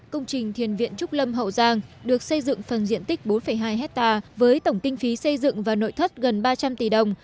công trình thiền viện trúc lâm hậu giang được xây dựng phần diện tích bốn hai hectare với tổng kinh phí xây dựng và nội thất gần ba trăm linh tỷ đồng